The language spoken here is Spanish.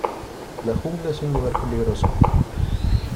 La jungla es un lugar peligroso.